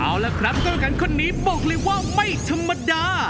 เอาล่ะครับกรรมการคนนี้บอกเลยว่าไม่ธรรมดา